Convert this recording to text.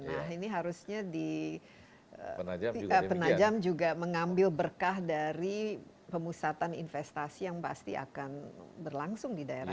nah ini harusnya di penajam juga mengambil berkah dari pemusatan investasi yang pasti akan berlangsung di daerah ini